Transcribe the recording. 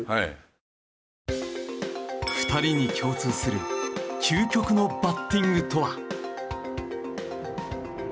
２人に共通する究極のバッティングとは？